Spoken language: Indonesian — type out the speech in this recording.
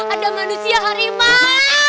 ada manusia harimau